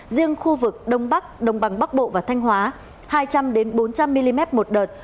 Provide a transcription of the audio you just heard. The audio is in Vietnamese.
riêng khu vực đông bắc đồng bằng bắc bộ và thanh hóa hai trăm linh bốn trăm linh mm một đợt